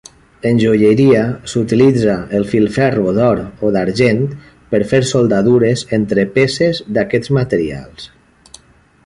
En joieria, s'utilitza el filferro d'or o d'argent, per fer soldadures entre peces d'aquests materials.